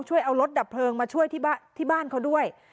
ช่วยเอารถดับเพลิงมาช่วยที่บ้านเขาด้วย